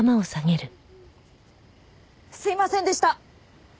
すみませんでした！